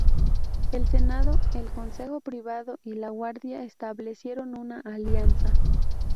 El Senado, el Consejo Privado y la Guardia, establecieron una alianza.